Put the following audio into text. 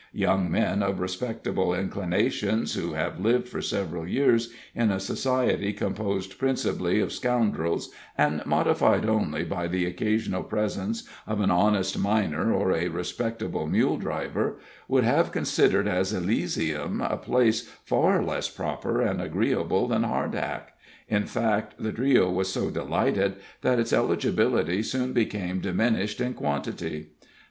Young men of respectable inclinations, who have lived for several years in a society composed principally of scoundrels, and modified only by the occasional presence of an honest miner or a respectable mule driver, would have considered as Elysium a place far less proper and agreeable than Hardhack. In fact, the trio was so delighted, that its eligibility soon became diminished in quantity.